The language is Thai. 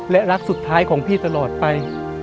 และรักสุดท้ายของพี่ตลอดไป